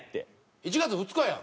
１月２日やん。